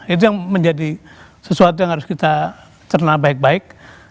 itu yang menjadi sesuatu yang harus kita cerna baik baik